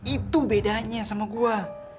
itu bedanya sama gua